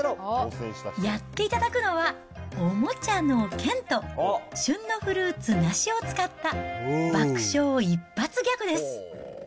やっていただくのはおもちゃの剣と、旬のフルーツ、ナシを使った爆笑一発ギャグです。